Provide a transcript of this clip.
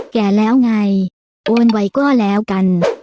แก่แล้วไงโอนไว้ก็แล้วกัน